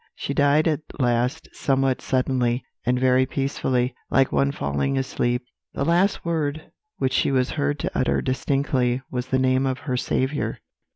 "She died at last somewhat suddenly, and very peacefully, like one falling asleep. The last word which she was heard to utter distinctly was the name of her Saviour.